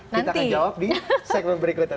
kita akan jawab di segmen berikutnya